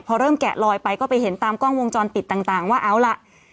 พอเริ่มแกะลอยไปก็ไปเห็นตามกล้องวงจรปิดต่างว่าเอาล่ะ